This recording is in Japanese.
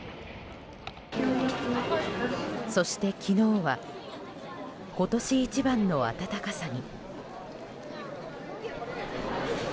そして昨日は今年一番の暖かさに。